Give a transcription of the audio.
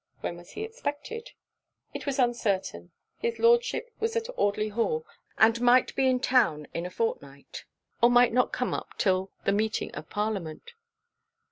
'When was he expected?' 'It was uncertain: his Lordship was at Audley hall, and might be in town in a fortnight; or might not come up till the meeting of Parliament.'